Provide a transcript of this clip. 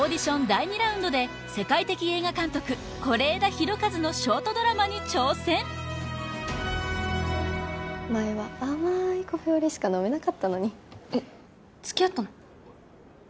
第２ラウンドで世界的映画監督是枝裕和のショートドラマに挑戦前は甘いカフェオレしか飲めなかったのにえっつきあったの？